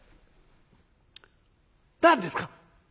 何ですか？」。